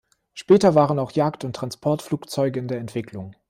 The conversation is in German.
Später waren auch Jagd- und Transportflugzeuge in der Entwicklung.